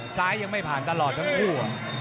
ซ้ายยังไม่ผ่านตลอดทั้งคู่